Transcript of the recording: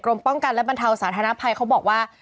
ป้องกันและบรรเทาสาธารณภัยเขาบอกว่า